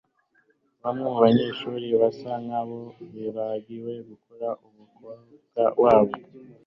Bamwe mubanyeshuri basa nkaho bibagiwe gukora umukoro wabo